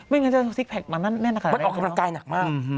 มันออกกำลังกายหนักมาก